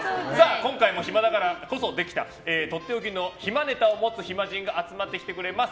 今回も暇だからこそできたとっておきの暇ネタを持つ暇人が集まってきてくれます。